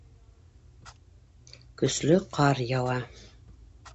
Көслө ҡар яуа